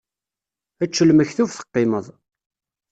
Ečč lmektub teqqimeḍ.